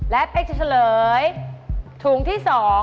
และเป๊กจะเฉลยถุงที่๒